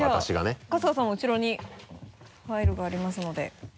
じゃあ春日さん後ろにファイルがありますので。